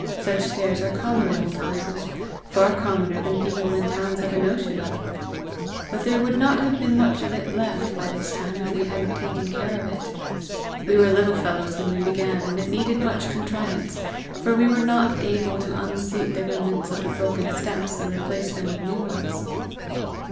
Such stairs are common in old houses far commoner than people in towns have a notion of. But there would not have been much of it left by this time, if we hadn't taken care of it. We were little fellows when we began, and it needed much contrivance, for we were not able to unseat the remnants of the broken steps, and replace them with new ones."